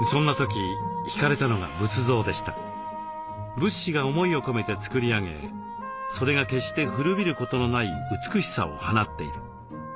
仏師が思いを込めて作り上げそれが決して古びることのない美しさを放っている。